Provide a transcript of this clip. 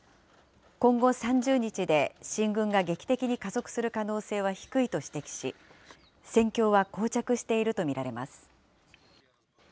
今後３０日で、進軍が劇的に加速する可能性は低いと指摘し、戦況はこう着していると見られます。